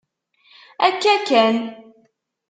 Akka kan.